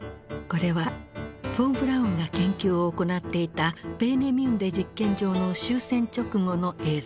これはフォン・ブラウンが研究を行っていたペーネミュンデ実験場の終戦直後の映像。